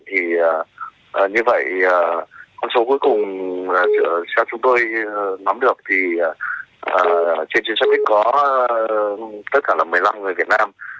thì như vậy con số cuối cùng cho chúng tôi nắm được thì trên chiến sách có tất cả là một mươi năm người việt nam